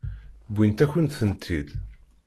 Wwint-akent-tent-id.